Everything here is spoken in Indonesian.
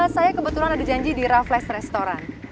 saya kebetulan ada janji di raffles restoran